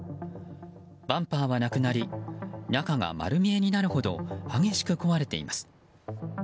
バンパーはなくなり中が丸見えになるほど激しく壊れています。